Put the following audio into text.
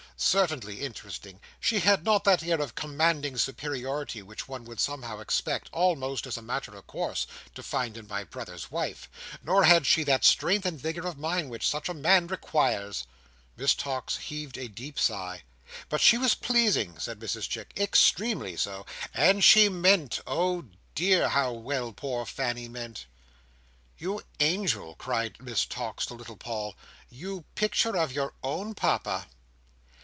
"Certainly interesting. She had not that air of commanding superiority which one would somehow expect, almost as a matter of course, to find in my brother's wife; nor had she that strength and vigour of mind which such a man requires." Miss Tox heaved a deep sigh. "But she was pleasing:" said Mrs Chick: "extremely so. And she meant!—oh, dear, how well poor Fanny meant!" "You Angel!" cried Miss Tox to little Paul. "You Picture of your own Papa!"